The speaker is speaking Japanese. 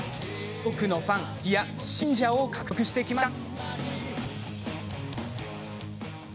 多くのファンいや、信者を獲得してきました。